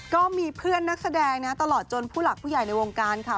ก็มีเพื่อนนักแสดงนะตลอดจนผู้หลักผู้ใหญ่ในวงการค่ะ